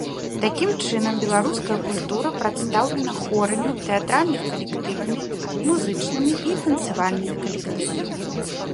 Такім чынам, беларуская культура прадстаўлена хорамі, тэатральных калектывамі, музычнымі і танцавальнымі калектывамі.